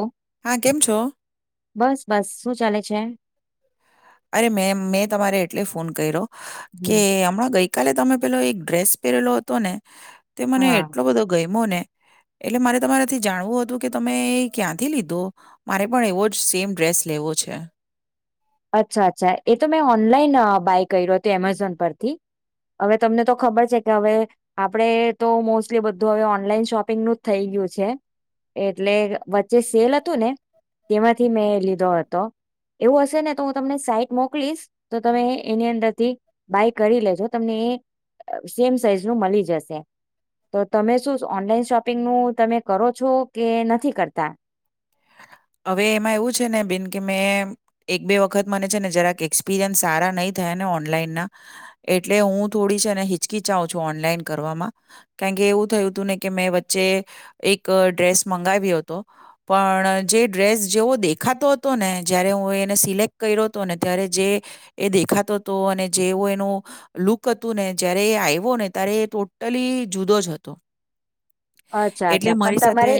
ઓ હા, કેમ છો? બસ બસ. શું ચાલે છે. અરે મે મેં તમારે એટલે ફોન કર્યો કે હમ હમણાં ગઈ ગઈ કાલે તમે પેલો એક ડ્રેસ પહેરેલો હતો. ને તે મને હા એટલો બધો ગયમ્યો ને એટલે, મારે તમારાથી જાણવું હતું કે તમે ક્યાંથી લીધો મારે પણ એવો જ સેમ ડ્રેસ લેવો છે. અચ્છા અચ્છા એ તો મેં ઓનલાઈન બાય કર્યું હતું એમેઝોન પરથી હવે તમને તો ખબર છે કે હવે આપણેે તો મોસ્ટલી બધું હવે ઓનલાઈન શોપિંગનું જ થઈ ગયું છે, એટલે વચ્ચે સેલ હતું ને તેમાંથી મેં લીધો હતો એવું હશે ને તો, હું તમને સાઈટ મોકલીશ તો તમે એની અંદરથી બાય કરી લેજો તમને એ સેમ સાઈઝ ન મળી જશે તો તમે શું ઓનલાઈન શોપિંગનું તમે કરો છો કે, નથી કરતા હવે એમાં એવું છે, ને બિન કે મેં એક બે વખત મને છે ને જરાક એક્સપિરિયન્સ સારા નહી થયા ને ઓનલાઈન ના એટલે હું થોડી છે હિચકીિચાવું છું ઓનલાઈન કરવામાં કારણકે એવું થયું હતું ને કે મેં વચ્ચે એક ડ્રેસ મંગાવી હતો પણ જે ડ્રેસ જેવો દેખાતો હતો. ને જયારે હું એને સિલેક્ટ કર્યો હતો. ને ત્યારે જે એ દેખાતો હતો અને જેવો એનું લુક હતું ને જય્યારે એ આવ્યો ને ત્યારે એ ટોટલી જુદો જ હતો અચ્છા એટલે અચ્છા પણ મારી સાથે તમારે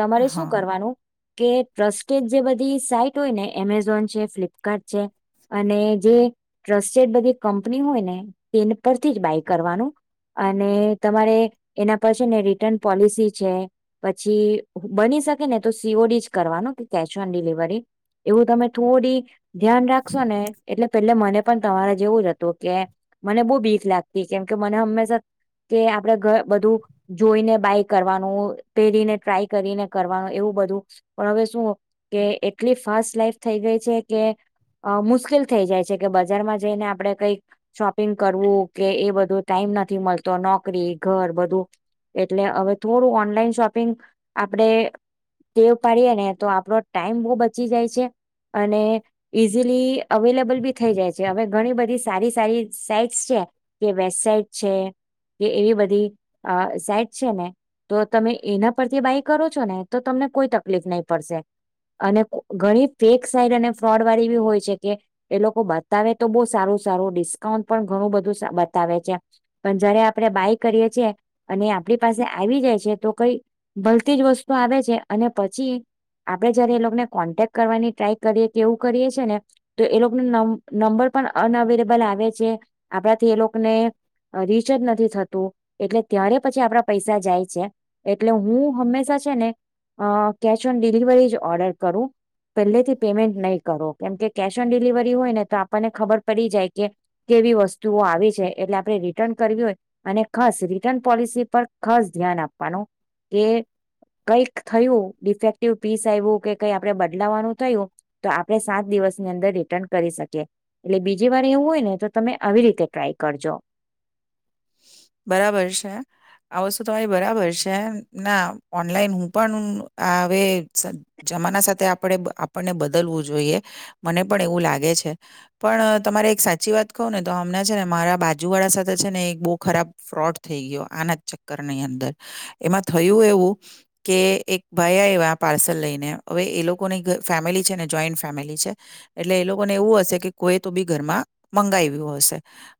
તમારે શું, હા. કરવાનું કે ટ્રસ્ટેડ જે બધી સાઈટ હોય ને, એમેઝોન છે, ફ્લિપકાર્ટ છે, અને જે ટ્રસ્ટેડ બધી કંપની હોય ને તે પરથી જ બાય કરવાનું અને તમારે એના પર રિટર્ન પોલિસી છે, પછી બની શકે ને તો સીઓડી જ કરવાનું કેશ ઓન ડિલિવરી એવું તમે થોડી ધ્યાન રાખશો ને એટલે પ એટલે મને પણ તમારે જેવું જ હતું, કે મને બહુ બીક લાગતી કેમકે મને હંમેશા કે આપડે બધું જોઈને બાય કરવાનું, પહેરીને ટ્રાય કરીને કરવાનું એવું બધું પણ હવે શું કે એટલી ફાસ્ટ લાઈફ થઈ ગઈ છે કે મુશ્કેલ થઈ જાય છે કે બજારમાં જઈને આપડે કઈક શોપિંગ કરવું કે એ બધું ટાઈમ નથી મળતો નોકરી ઘર બધું એટલે હવે, થોડું ઓનલાઈન શોપિંગ આપડે વ પાડીએ ને તો આપડો ટાઈમ બહુ બચી જાય છે અને ઈઝીલી અવેલેબલ બી થઈ જાય છે હવે ઘણી બધી સારી સારી સાઈટ્સ છે કે વેબસાઇટ છે કે એવી બધી આ સાઈટ છે. ને તો તમે એના પરથી બાય કરો છો ને તો તમને કોઈ તકલીફ નહીં પડશે અને ઘણી ફેક સાઈટ અને ફ્રોડ વાળી એવી હોય છે કે એ લોકો બતાવે તો બહુ સારું સારું ડિસ્કાઉન્ટ પણ ઘણું બધું બતાવે છે, પણ જયારે આપણે બાય કરીએ છીએ અને આપણી પાસે આવી જાય છે તો કઈ ભલતી જ વસ્તુ આવે છે અને પછી આપણે જયારે એ લોકોને કોન્ટેક્ટ કરવાની ટ્રાય કરીએ એવું કરીએ છે ને તો એ લોકોનો નંબર પણ અનઅવેલેબલ આવે છે આપણાથી એ લોકોને રિચાર્જ નથી થતું એટલે ત્યારે પછી આપણા પૈસા જાય છે. એટલે હું હંમેશા છે. ને અ કેશ ઓન ડિલિવરી જ ઓર્ડર કરું પહેલેથી પેમેન્ટ નહીં કરો કેમકે કેશ ઓન ડિલિવરી હોય ને તો આપણને ખબર પડી જાય કે કેવી વસ્તુઓ આવી છે. એટલે આપણે રિટર્ન કરવી હોય અને ખસા રિટર્ન પોલિસી પર ખાસ ધ્યાન આપવાનું કે, કઈક થયું ડિફેક્ટિવ પીસ આયવું કે કઈ આપણે બદલાવાનું થયું તો આપણે સાત દિવસની અંદર રિટર્ન કરી શકીએ. એટલે બીજી વાર એવું હોય ને તો તમે આવી રીતે ટ્રાય કરજો. બરાબર છે આ વસ્તુ તમારી બરાબર છે. ના ઓનલાઈન હું પણ હું, આ અવે જમાના સાથે આપણે આપણને બદલવું જોઈએ મને પણ એવું લાગે છે પણ તમારે એક સાચી વાત કઉં ને તો અમને છે, ને મારા બાજુ વાળા સાથે છે ને બો ખરાબ ફ્રોડ થઈ ગયો આના જ ચક્કરની અંદર એમાં થયું એવું કે એક ભાઈ આયવા આ પાર્સલ લઈને હવે એ લોકોની ફેમિલી છે ને જોઈન્ટ ફેમિલી છે એટલે એ લોકોને એવું હશે કે કોઈ તો બી ઘરમાં મંગાવ્યું હશે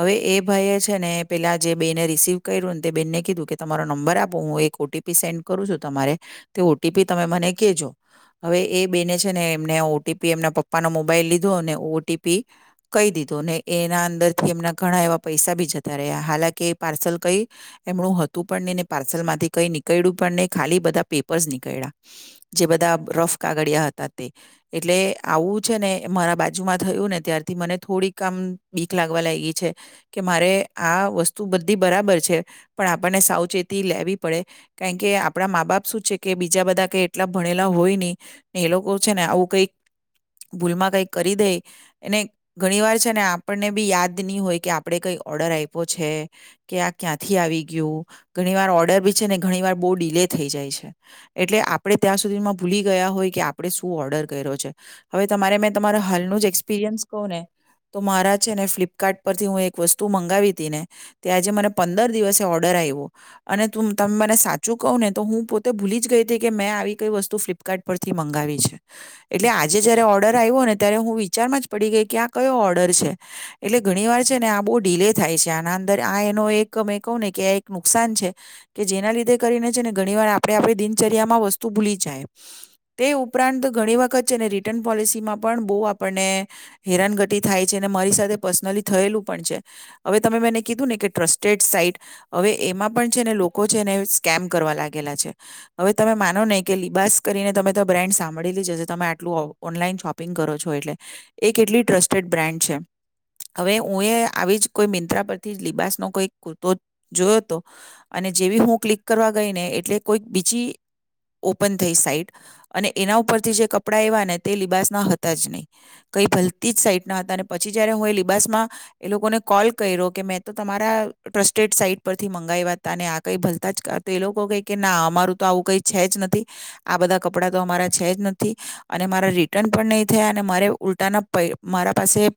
હવે એ ભાઈ છે. ને પેલા જે બેને રિસીવ કર્યુંને તે બેનને કીધું કે તમારો નંબર આપો હું એક ઓટીપી સેન્ડ કરું છું તમારે તે ઓટીપી તમે મને કહેજો હવે એ બેને છે ને એમને ઓટીપી એમના પપ્પાનો મોબાઈલ લીધો અને ઓટીપી કહી, દીધો ને એના અંદર થી એમના ઘણા એવા પૈસા બી જતા- ત્યારે હાલાકી પાર્સલ કંઈ એમણું હતું પણ નહી ને પાર્સલમાંથી કંઈ નીકળ્યું પણ નહી ખાલી બધા પેપર્સ નીકળ્યા જે બધા રફ કાગડિયા હતા તે એટલે આવું છે ને મારા બાજુમાં થયું ને ત્યારથી મને થોડીક આામ બીક લાગવા લાગી છે કે મારે આ વસ્તુ બધી બરાબર છે પણ આપણને સાવચેતી લેવી પડે કારણ કે આપણા મા બાપ શું છે કે બીજા બધા કઈ એટલા ભણેલા હોય નહીં ને એ લોકો છે ને આવું કંઈક ભૂલમાં કંઈક કરી દે એને ઘણી વાર છે. ને આપણને બી યાદ નય હોય કે આપણે કંઈ ઓર્ડર આય છે કે આ ક્યાંથી આવી ગયું ઘણી વાર ઓર્ડર બી છે ને ઘણી વાર બઉ ડીલે થઈ જાય છે એટલે આપે ત્યાં સુધીમાં ભૂલી ગયા હોય કે આપણે શું ઓર્ડર કર્યો છે. હવે તમારે મે તમારા હાલનું જ એસપિરિયન્સ કહું ને તો મારા છે, ને ફ્લિપકાર્ટ પરથી હું એક વસ્તુ મંગાવી ને આજે મને પંદર દિવસે ઓર્ડર આવ્યો. અને ત મને સાચું કહું ને તો હું પોતે ભૂલી જ ગઈ હતી. કે મેં આવી કઈ વસ્તુ ફ્લિપકાર્ટ પરથી મંગાવી છે એટલે આજે જયારે ઓર્ડર આવ્યો ને ત્યારે હું વિચારમાં જ પડી ગઈ કે આ કયો ઓર્ડર છે એટલે ઘણી વાર છે, ને આ બઉ ડીલે થાય છે આના અંદર આ એનો એક મે કહું ને કે આ એક નુકસાન છે કે, જેના લીધે કરીને છે, ને ઘણી વાર આપણે આપણી દિનચર્યામાં વસ્તુ ભૂલી જાય તે ઉપરાંત ઘણી વખત છે, ને રિટર્ન પોલિસીમાં પણ બહુ આપણને હેરાનગતિ થાય છે અને મારી સાથે પર્સનલી થયેલું પણ છે. હવે તમે મેને કીધું ને કે ટ્રસ્ટેડ સાઈટ હવે એમાં પણ છે ને લોકો છે એને સ્કેમ કરવા લાગેલા છે હવે તમે માનો નહીં કે લિબાસ કરીને તમે તો આ બ્રાન્ડ સાંભળીલી જ હશે, તમે આટલું ઓનલાઈન શોપિંગ કરો છો, એટલે એ કેટલી ટ્રસ્ટેડ બ્રાન્ડ છેહવે હું એ આવીજ કોય મિંત્રા પરથી જ લિબાસનો કોઈ કુર્તો જોયો હતો. અને જેવી હું ક્લિક કરવા ગઈ ને એટલે કોઈક બીજી ઓપન થઈ સાઈટ અને એના ઉપરથી જે કપડાં એવા ને તે લિબાસના હતા જ નહીં, કઈ ભલતી જ સાઈટ ના હતા અને પછી જયારે હું એ લિબાસમાં એ લોકોને કોલ કર્યો કે મેં તો, તમારા ટ્રસ્ટેડ સાઈટ પરથી મંગાવ્યા હતા અને આ કઈ ભલતા જ તો એ લોકો કહી કે ના અમારું તો આવું કંઈ છે જ નથી આ બધા કપડાં તો અમારા છે જ નથી. અને મારા રિટર્ન પણ નહીં થયા અને મારે ઉલટાના પ મારા પાસે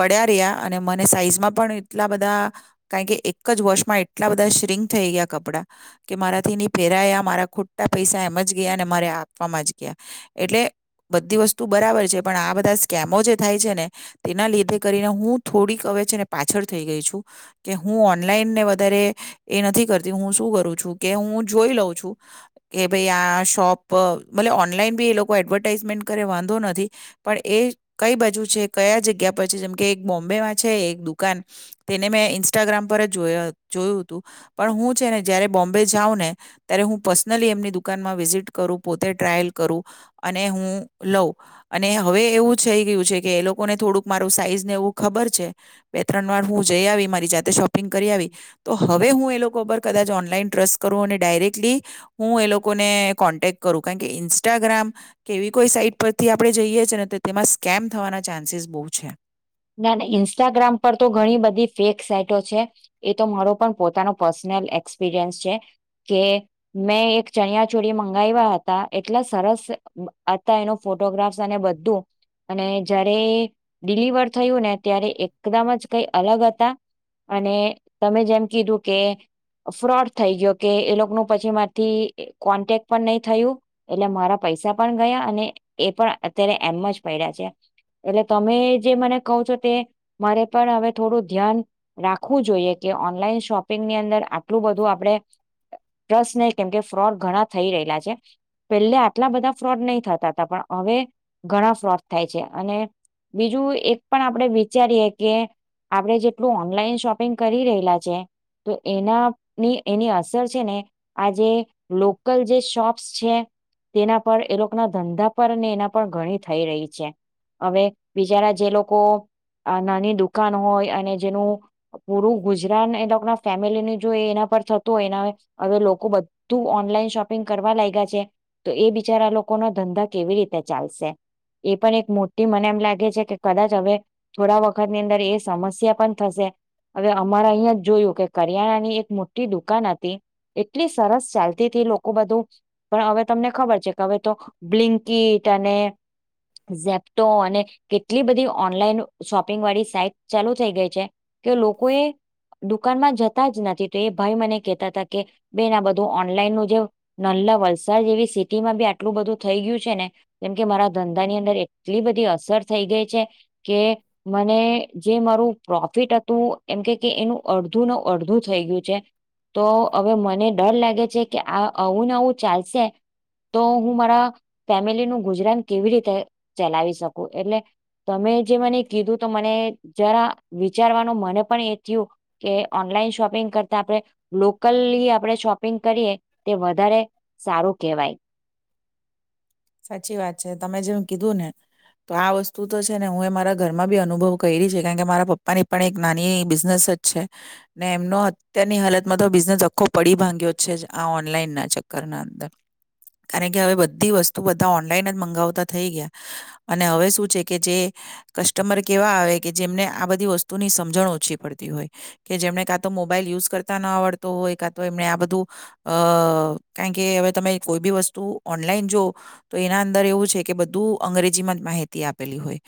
પડ્યા રહ્યા અને મને અને સાઈઝમાં પણ એટલા બધા કારણ કે એક જ વોશમાં એટલા બધા શ્રિંક થઈ ગયા કપડાં કે મારાથી પેરાયા મારા ખોટા પૈસા એમ જ ગયા અને મારે આપવામાં જ ગયા એટલે બધી વસ્તુ બરાબર છે પણ આ બધા સ્કેમો જે થાય છે ને તેના લીધે કરીને હું થોડીક હવે છે ને પાછળ થઈ ગઈ છું કે હું ઓનલાઈન ને વધારે એ નથી કરતી હું શું કરું છું કે હું જોઈ લઉં છું કે ભાઈ આ શોપલે ઓનલાઈન બી એ લોકો એડવર્ટાઈઝમેન્ટ કરે વાંધો નથી પણ એ કઈ બાજુ છે કયા જગ્યા પર છે, જેમકે, એક બોમ્બે છે એક દુકાન તેને મેં ઇન્સ્ટાગ્રામ પર જ જો જોયું હતું પણ હું છે ને જયારે બોમ્બે જાઉં ને ત્યારે હું પર્સનલી એમની દુકાનમાં વિઝિટ કરું પોતે ટ્રાયલ કરું અને હું લઉં અને હવે એવું થઈ ગયું છે કે એ લોકોને થોડુંક મારું સાઈઝ ને એવું ખબર છે. બે ત્રણ વાર હું જઈ આવી મારી જાતે શોપ કરીયાવી તો હવે, હું એ કદાચ ઓનલાઈન ટ્રસ્ટ કરું અને ડાયરેક્ટલી હું, એ લોકોને કોન્ટેક કરું કારણ કે ઈન્સ્ટાગ્રામ કેવી કોઈ સાઈટ પરથી આપણે જઈએ છે ને તો તેમાં સ્કેમ થવાના ચાન્સીસ બો છે. ના ના ઇન્સ્ટાગ્રામ પર તો ઘણી બધી ફેક સાઇટો છે એ તો મારો પણ પોતાનો પર્સનલ એક્સપિરિયન્સ છે કે મેં એક ચણિયા ચોરી મંગાવ્યા હતા એટલા સરસ હતા એનો ફોટોગ્રાફ્સ અને બધું, અને જ્યારે ડિલિવર થયુંને ત્યારે એકદમ જ કઈ અલગ હતા. અને તમે જેમ કીધું કે ફ્રોડ થઈ ગયો કે, એ લોકોનું પછી મારથી કોન્ટેક પણ નય થયું એટલે મારા પૈસા પણ ગયા અને એ પણ અત્યારે એમ જ પડ્યા છે. એટલે તમે જે મને કઉં છો તે મારે પણ હવે થોડું ધ્યાન રાખવું જોઈએ કે ઓનલાઈન શોપિંગની અંદર આટલું બધું આપણે ટ્રસ્ટ નહી કેમકે ફ્રોડ ઘણા થઈ રહેલા છે પહેલે આટલા બધા ફ્રોડ નહીં થતા હતા પણ હવે ઘણા ફ્રોડ થાય છે અને બીજું એક પણ આપણે વિચારીએ કે આપણે જેટલું ઓનલાઈન શોપિંગ કરી રહેલા છે, તો એના ની એની અસર છે ને આ જે લોકલ જે શોપ્સ છે તેના પર એ લોકોના ધંધા પર ને એના પર ઘણી થઈ રહી છે, હવે બિચારા જે લોકો નાની દુકાન હોય અને જેનું પૂરું ગુજરાન એ લોકો ના ફેમિલી જો એના પર થતું હોય એના હવે, લોકો બધું ઓનલાઈન શોપિંગ કરવા લાગ્યા છે. તો એ બિચારા લોકો ના ધંધા કેવી રીતે ચાલશે એ પણ એક મોટી મને એમ લાગે છે કે કદાચ હવે, થોડા વખતની અંદર એ સમસ્યા પણ થશે હવે અમારે અહીયાં જ જોયું કે, કરિયાણાની એક મોટી દુકાન હતી એટલી સરસ ચાલતી હતી લોકો બધું પણ હવે તમને ખબર છે. કે હવે તો બ્લિન્કીટ અને ઝેપ્ટો અને એટલી બધી ઓનલાઈન શોપિંગ વાળી સાઈટ ચાલુ થઈ ગઈ છે કે લોકો એ દુકાનમાં જતા જ નથી તો એ ભાઈ મને કેહેતા હતા, કે બેન આ બધું ઓનલાઈન નું જે નલ્લા વલસાડ જેવી સિટીમાં બી આટલું બધું થઈ ગયું છે, ને જેમ કે મારા ધંધા ની અંદર એટલી બધી અસર થઈ ગઈ છે, કે મને જે મારું પ્રોફિટ હતું એમ કે એનું અડધું નને અડધું થઈ ગયું છે, તો હવે મને ડર લાગે છે કે આ આવુંને આવું ચાલશે, તો હું મારા ફેમિલીનું ગુજરાન કેવી રીતે ચલાવી શકું એટલે તમે જે મને કીધું તો મને જરા વિચારવાનું મને પણ એ થયું કે ઓનલાઈન શોપિંગ કરતા આપણે, લોકલ લી આપણે શોપિંગ કરીએ તે વધારે સારું કેહેવાય. સાચી વાત છે તમે જેમ કીધું ને, તો આ વસ્તુ તો છે ને હું એ મારા ઘરમાં બી અનુભવ કયરી છે કારણ કે મારા પપ્પાની પણ એક નાની બિઝનેસ જ છે, ને એમનો અત્યારની હાલતમાં તો બિઝનેસ આખો પડી ભાંગ્યો છે આ ઓનલાઈન ના ચક્કર ના અંદર, કારણ કે હવે બધી વસ્તુ બધા ઓનલાઈન જ મંગાવતા થઈ ગયા, અને હવે શું છે કે જે, કસ્ટમર કેવા આવે કે જેમને આ બધી વસ્તુની સમજણ ઓછી પડતી હોય, કે જેમને કાં તો મોબાઈલ યુઝ કરતા ન આવડતો હોય કા તો એમને આ બધું, અ કારણ કે હવે તમે કોઈ બી વસ્તુ ઓનલાઈન જો તો એના અંદર એવું છે કે બધું અંગ્રેજીમાં જ માહિતી આપેલી હોય,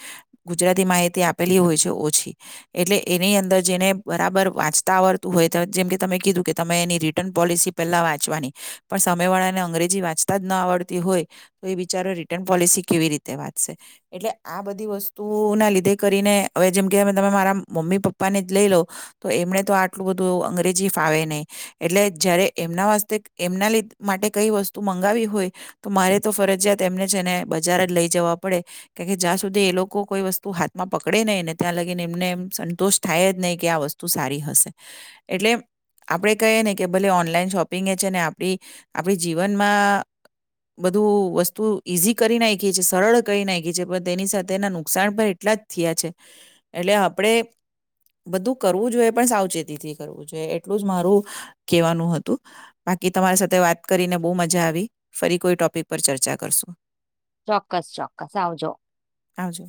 ગુજરાતી માહિતી આપેલી હોય છે ઓછી, એટલે એની અંદર જેને બરાબર વાંચતા આવડતું હોય જેમકે તમે કીધું કે તમે એની રિટર્ન પોલિસી પહેલા વાંચવાની, પણ સમય વાળાને અંગ્રેજી વાંચતા જ ન આવડતી હોય. તો એ બિચારો રિટર્ન પોલિસી કેવી રીતે વાંચશે, એટલે આ બધી વસ્તુ ના લીધે કરીને હવે જેમ કે તમે મારા મમ્મી પપ્પાને જ લઈ લો તો, એમને તો આટલું બધું અંગ્રેજી ફાવે નહી, એટલે જયારે એમના એમના માટે કઈ વસ્તુ મંગાવી હોય, તો મારે તો ફરજિયાત એમને છે ને બજાર જ લઈ જવા પડે, કે કે જ્યાં સુધી એ લોકો કોઈ વસ્તુ હાથમાં પકડે નહીં ને ત્યાં લગીને એમને એમ સંતોષ થાય જ નહીં કે આ વસ્તુ સારી હશે, એટલે આપણે કહીએ ને કે ભલે ઓનલાઈન શોપિંગ એ છે ને આપણી, આપણી જીવનમાં બધું વસ્તુ ઈઝી કરી નાયખું છે સરળ કરી નાયખું પણ તેની સાથેના નુકસાન પણ એટલા જ થયા છે, એટલે આપણે બધું કરવું જોઈએ પણ સાવચેતીથી કરવું જોઈએ એટલું જ મારું, કહેવાનું હતું, બાકી તમારી સાથે વાત કરીને બો મજા આવી ફરી કોઈ ટોપ પર ચર્ચા કરશું. ચોક્કસ ચોક્કસ આવજો. આવજો.